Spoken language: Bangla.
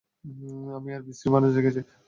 আমি আরও বিশ্রী মানুষ দেখেছি।